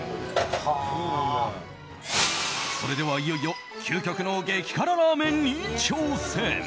それでは、いよいよ究極の激辛ラーメンに挑戦。